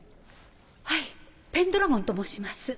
はいペンドラゴンと申します。